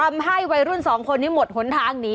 วัยรุ่นสองคนนี้หมดหนทางหนี